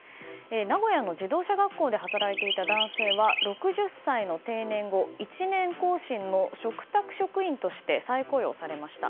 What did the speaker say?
名古屋の自動車学校で働いていた男性は６０歳の定年後１年更新の嘱託職員として再雇用されました。